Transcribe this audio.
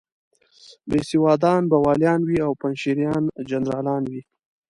بېسوادان به والیان وي او پنجشیریان جنرالان وي.